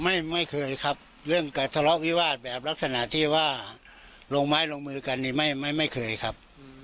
ไม่เคยครับเรื่องการทะเลาะวิวาสแบบลักษณะที่ว่าลงไม้ลงมือกันนี่ไม่ไม่เคยครับ